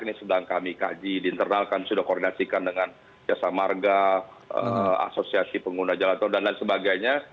ini sedang kami kaji di internal kami sudah koordinasikan dengan jasa marga asosiasi pengguna jalan tol dan lain sebagainya